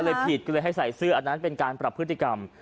ผิดก็เลยให้ใส่เสื้ออันนั้นเป็นการปรับพฤติกรรม